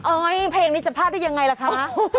เอ้ยเพลงนี้จะพลาดได้อย่างไรล่ะคะ